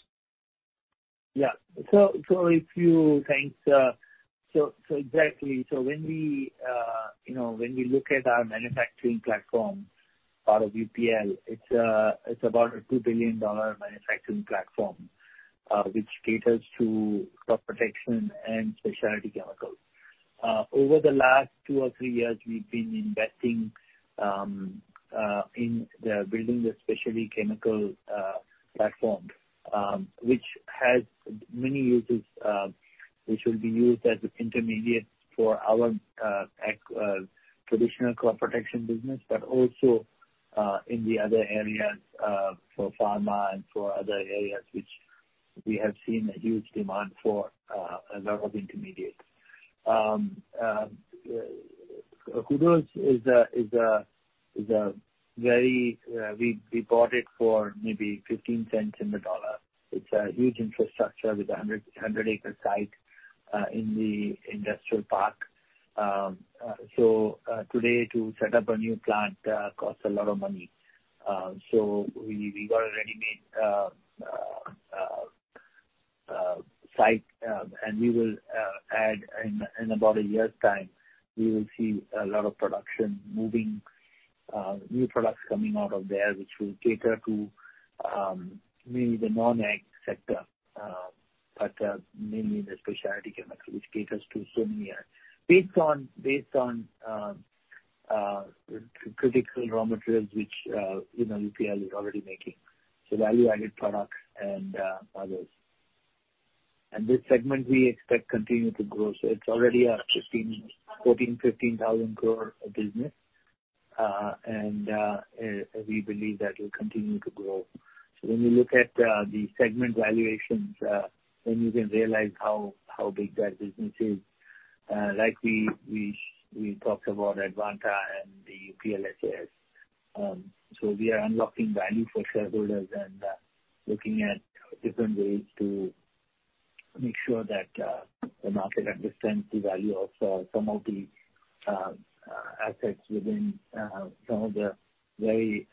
Exactly. When we look at our manufacturing platform, part of UPL, it's about a $2 billion manufacturing platform, which caters to crop protection and specialty chemicals. Over the last two or three years, we've been investing in building the specialty chemical platform, which has many uses, which will be used as intermediates for our traditional crop protection business. But also in the other areas for pharma and for other areas which we have seen a huge demand for a lot of intermediates. Kudos is very, we bought it for maybe fifteen cents in the dollar. It's a huge infrastructure with a 100-acre site in the industrial park. Today to set up a new plant costs a lot of money. We got a ready-made site, and we will add in about a year's time, we will see a lot of production moving, new products coming out of there, which will cater to mainly the non-ag sector, but mainly the specialty chemicals which caters to so many, based on critical raw materials which you know, UPL is already making. Value-added products and others. This segment we expect continue to grow. It's already a 14,000 crore-15,000 crore business, and we believe that will continue to grow. When you look at the segment valuations, then you can realize how big that business is. Like we talked about Advanta and the UPL SAS. We are unlocking value for shareholders and looking at different ways to make sure that the market understands the value of some of the assets within some of the very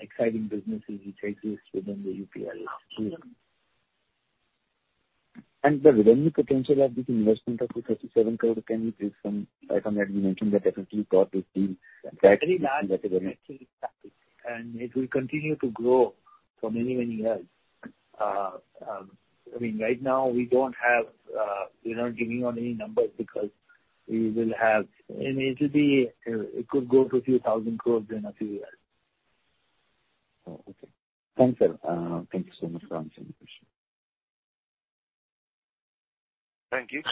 exciting businesses which exist within the UPL suite. The revenue potential of this investment of 37 crore rupees, can you please confirm? Like, I mean, you mentioned that definitely got this deal that- Very large, actually. It will continue to grow for many, many years. I mean, right now we're not giving out any numbers because we will have. It could grow to INR a few thousand crores in a few years. Oh, okay. Thanks, sir. Thank you so much for answering the question. Thank you.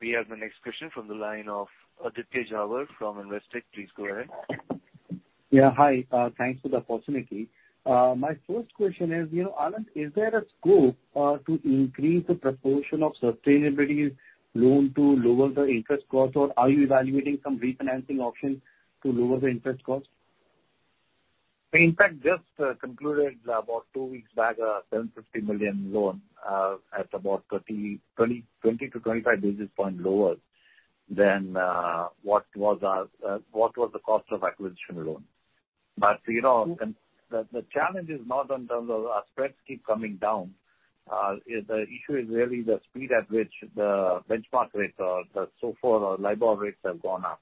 We have the next question from the line of Aditya Jhawar from Investec. Please go ahead. Yeah. Hi. Thanks for the opportunity. My first question is, you know, Alan, is there a scope to increase the proportion of sustainability loan to lower the interest cost? Or are you evaluating some refinancing options to lower the interest cost? We in fact just concluded about two weeks back a $1,050 million loan at about 320 basis points to 325 basis points lower than what was the cost of acquisition loan. You know, the challenge is not in terms of our spreads keep coming down. The issue is really the speed at which the benchmark rates or the SOFR or LIBOR rates have gone up.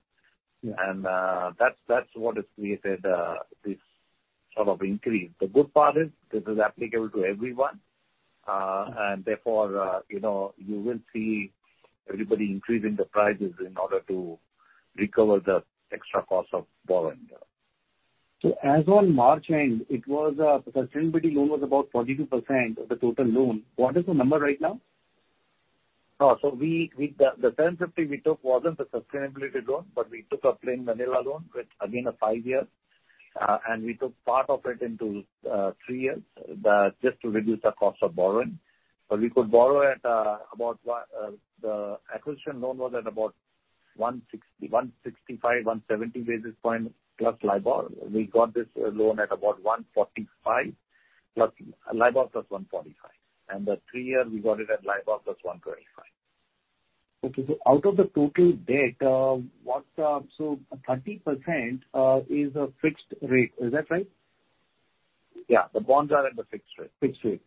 Yeah. That's what has created this sort of increase. The good part is this is applicable to everyone. Therefore, you know, you will see everybody increasing the prices in order to recover the extra cost of borrowing. As on March end, it was, the sustainability loan was about 42% of the total loan. What is the number right now? The 1,050 we took wasn't a sustainability loan, but we took a plain vanilla loan with again a five-year. We took part of it into three years just to reduce the cost of borrowing. We could borrow at about the acquisition loan was at about 160basis points, 165 basis points, 170 basis points plus LIBOR. We got this loan at about LIBOR+ 145. The three-year we got it at LIBOR+ 125. Out of the total debt, 30% is a fixed rate. Is that right? Yeah. The bonds are at the fixed rate. Fixed rate.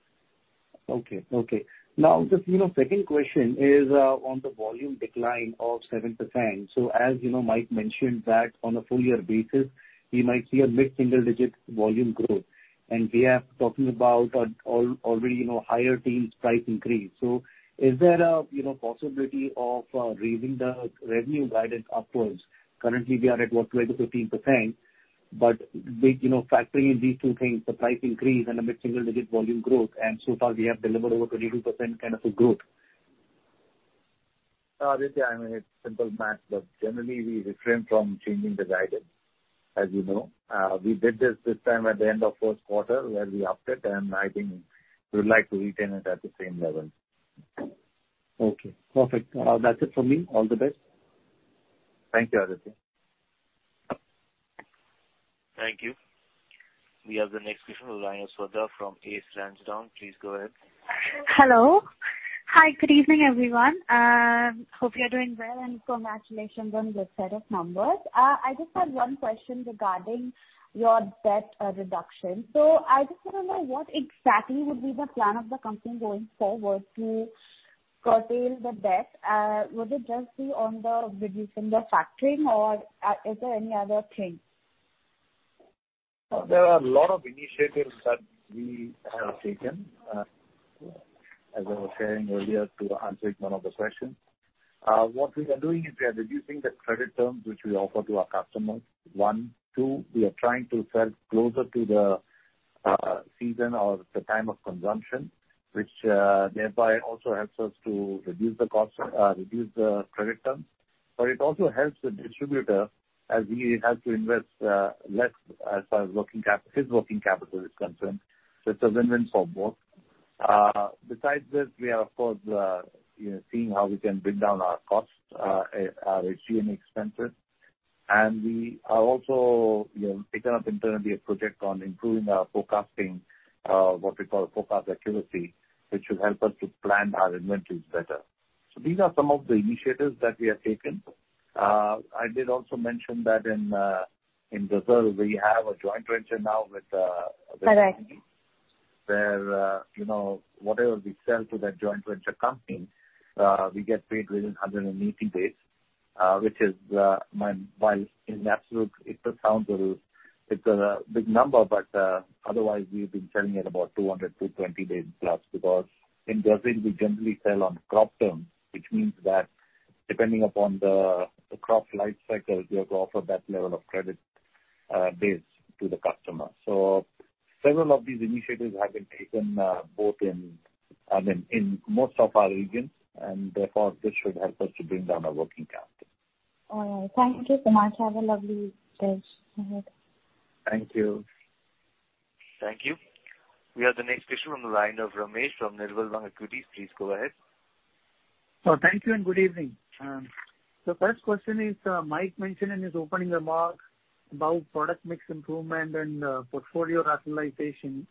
Okay. Okay. Now just, you know, second question is on the volume decline of 7%. As you know, Mike mentioned that on a full year basis, we might see a mid-single-digit volume growth, and we are talking about already, you know, higher teens price increase. Is there a, you know, possibility of raising the revenue guidance upwards? Currently we are at, what, 12%-15%. We, you know, factoring in these two things, the price increase and a mid-single digit volume growth, and so far we have delivered over 22% kind of a growth. Aditya, I mean, it's simple math, but generally we refrain from changing the guidance, as you know. We did this time at the end of first quarter where we upped it, and I think we would like to retain it at the same level. Okay. Perfect. That's it for me. All the best. Thank you, Aditya. Thank you. We have the next question on the line of Swetha from Ace Lansdowne. Please go ahead. Hello. Hi, good evening, everyone. Hope you're doing well, and congratulations on this set of numbers. I just had one question regarding your debt reduction. I just wanna know what exactly would be the plan of the company going forward to curtail the debt. Would it just be on the reduction, the factoring, or is there any other thing? There are a lot of initiatives that we have taken, as I was sharing earlier to answer one of the questions. What we are doing is we are reducing the credit terms which we offer to our customers, one. Two, we are trying to sell closer to the season or the time of consumption, which thereby also helps us to reduce the cost, reduce the credit terms. It also helps the distributor as he has to invest less as far as his working capital is concerned. It's a win-win for both. Besides this, we are of course, you know, seeing how we can bring down our costs, our G&A expenses. We are also, you know, taking up internally a project on improving our forecasting, what we call forecast accuracy, which should help us to plan our inventories better. These are some of the initiatives that we have taken. I did also mention that in Brazil we have a joint venture now with the- Correct. Where, you know, whatever we sell to that joint venture company, we get paid within 180 days, which is... In absolute it just sounds a little... It's a big number, but otherwise we've been selling at about 200-220 days plus, because in Brazil we generally sell on crop terms, which means that depending upon the crop life cycle, we have to offer that level of credit days to the customer. Several of these initiatives have been taken, both in, I mean, in most of our regions, and therefore this should help us to bring down our working capital. All right. Thank you so much. Have a lovely day ahead. Thank you. Thank you. We have the next question on the line of S. Ramesh from Nirmal Bang Equities. Please go ahead. Thank you and good evening. First question is, Mike mentioned in his opening remarks about product mix improvement and portfolio rationalization.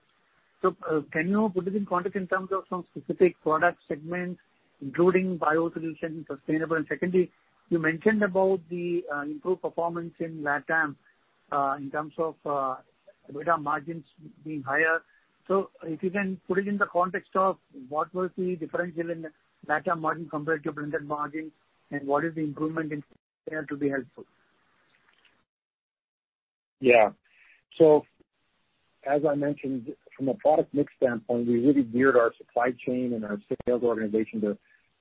Can you put this in context in terms of some specific product segments, including biosolutions, sustainable? And secondly, you mentioned about the improved performance in LatAm, in terms of EBITDA margins being higher. If you can put it in the context of what was the differential in the LatAm margin compared to blended margin and what is the improvement in share to be helpful? Yeah. As I mentioned, from a product mix standpoint, we really geared our supply chain and our sales organization to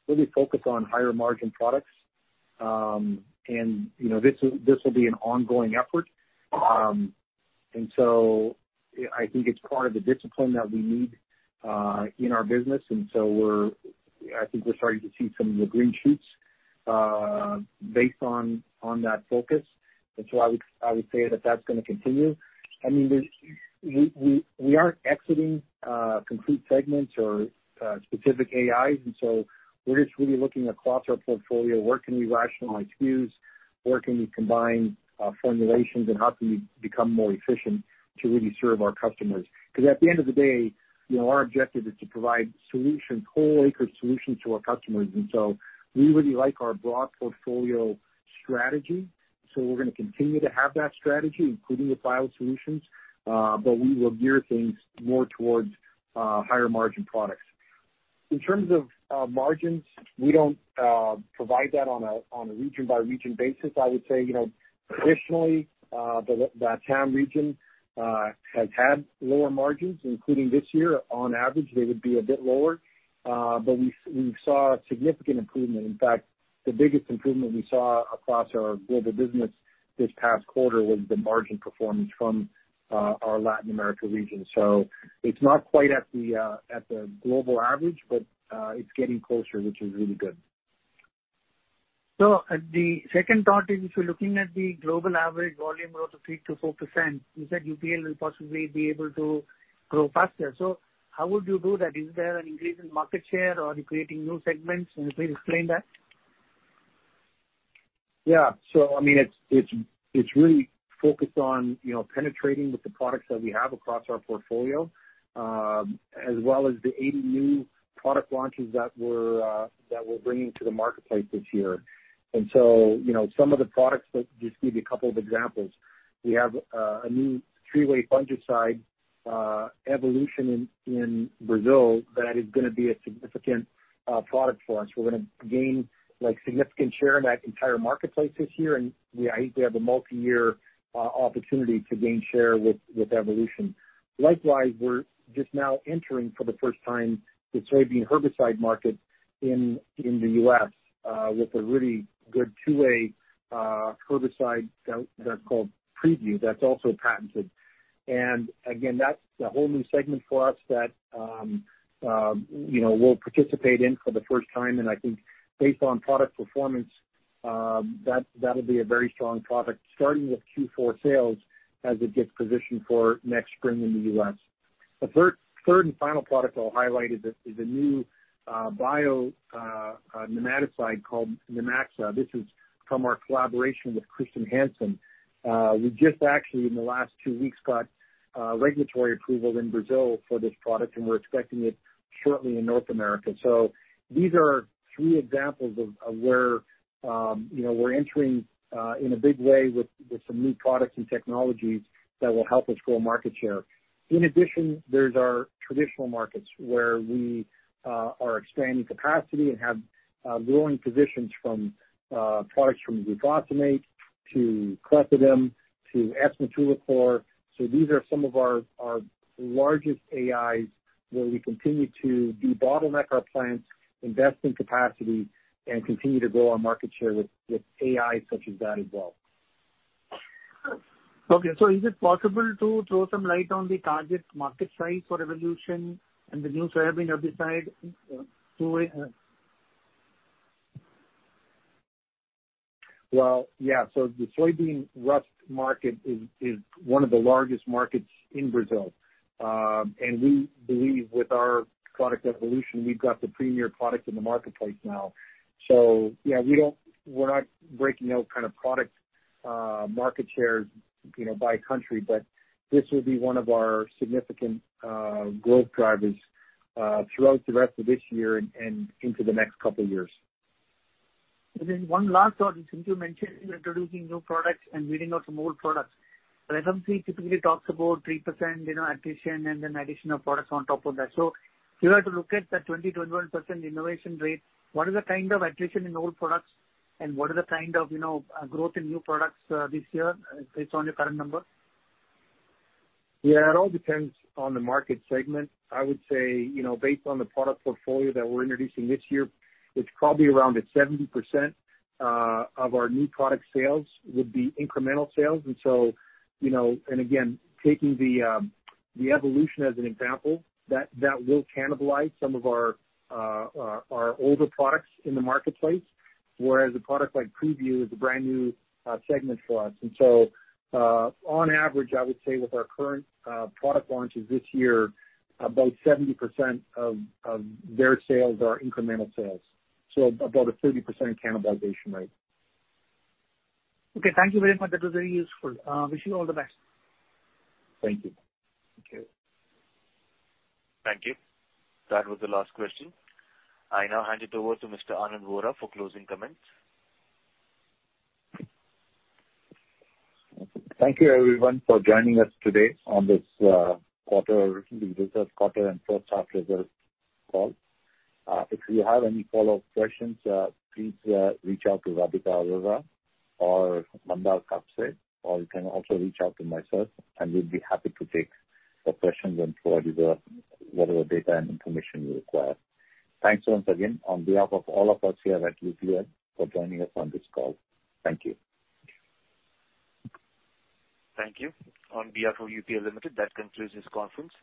really focus on higher margin products. You know, this will be an ongoing effort. I think it's part of the discipline that we need in our business. I think we're starting to see some of the green shoots based on that focus. I would say that that's gonna continue. I mean, we aren't exiting complete segments or specific AIs. We're just really looking across our portfolio, where can we rationalize SKUs? Where can we combine formulations? And how can we become more efficient to really serve our customers? Because at the end of the day, you know, our objective is to provide solutions, whole acre solutions to our customers. We really like our broad portfolio strategy, so we're gonna continue to have that strategy, including the biosolutions, but we will gear things more towards higher margin products. In terms of margins, we don't provide that on a region-by-region basis. I would say, you know, traditionally, the LatAm region has had lower margins, including this year. On average, they would be a bit lower. We saw a significant improvement. In fact, the biggest improvement we saw across our global business this past quarter was the margin performance from our Latin America region. It's not quite at the global average, but it's getting closer, which is really good. The second thought is if you're looking at the global average volume growth of 3%-4%, you said UPL will possibly be able to grow faster. How would you do that? Is there an increase in market share or you're creating new segments? Can you please explain that? I mean, it's really focused on, you know, penetrating with the products that we have across our portfolio, as well as the 80 new product launches that we're bringing to the marketplace this year. You know, some of the products. Just give you a couple of examples. We have a new three-way fungicide, Evolution in Brazil that is gonna be a significant product for us. We're gonna gain like significant share in that entire marketplace this year, and I think we have a multiyear opportunity to gain share with Evolution. Likewise, we're just now entering for the first time the soybean herbicide market in the US with a really good two-way herbicide that's called Preview, that's also patented. Again, that's a whole new segment for us that, you know, we'll participate in for the first time. I think based on product performance, that'll be a very strong product starting with Q4 sales as it gets positioned for next spring in the U.S. The third and final product I'll highlight is a new bio nematicide called Nemixa. This is from our collaboration with Chr. Hansen. We just actually in the last two weeks got regulatory approval in Brazil for this product, and we're expecting it shortly in North America. These are three examples of where, you know, we're entering in a big way with some new products and technologies that will help us grow market share. In addition, there's our traditional markets where we are expanding capacity and have growing positions from products from glufosinate to Clethodim to S-metolachlor. These are some of our largest AIs where we continue to debottleneck our plants, invest in capacity, and continue to grow our market share with AIs such as that as well. Okay. Is it possible to throw some light on the target market size for Evolution and the new soybean herbicide to it? Well, yeah. The soybean rust market is one of the largest markets in Brazil. We believe with our product Evolution, we've got the premier product in the marketplace now. Yeah, we're not breaking out kind of product market shares, you know, by country, but this will be one of our significant growth drivers throughout the rest of this year and into the next couple years. Then one last thought. You simply mentioned you're introducing new products and weeding out some old products. FMC typically talks about 3%, you know, attrition and then addition of products on top of that. If you had to look at the 20%-21% innovation rate, what is the kind of attrition in old products and what is the kind of, you know, growth in new products, this year, based on your current numbers? Yeah, it all depends on the market segment. I would say, you know, based on the product portfolio that we're introducing this year, it's probably around at 70% of our new product sales would be incremental sales. You know, again, taking the Evolution as an example, that will cannibalize some of our older products in the marketplace, whereas a product like Preview is a brand-new segment for us. On average, I would say with our current product launches this year, about 70% of their sales are incremental sales. About a 30% cannibalization rate. Okay. Thank you very much. That was very useful. Wish you all the best. Thank you. Okay. Thank you. That was the last question. I now hand it over to Mr. Anand Vora for closing comments. Thank you everyone for joining us today on this quarter's recent results and first half results call. If you have any follow-up questions, please reach out to Radhika Arora or Mandar Kapse, or you can also reach out to myself and we'll be happy to take the questions and provide you the whatever data and information you require. Thanks once again on behalf of all of us here at UPL for joining us on this call. Thank you. Thank you. On behalf of UPL Limited, that concludes this conference.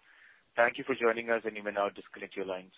Thank you for joining us, and you may now disconnect your lines.